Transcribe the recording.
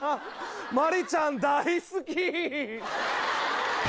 マリちゃん大好き。